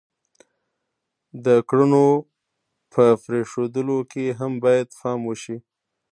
د کړنو په پرېښودلو کې هم باید پام وشي.